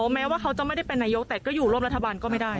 แม้ว่าเขาจะไม่ได้เป็นนายกแต่ก็อยู่ร่วมรัฐบาลก็ไม่ได้